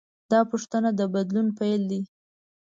دا پوښتنه د بدلون پیل دی.